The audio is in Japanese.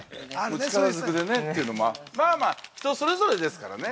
◆まあまあ人それぞれですからね。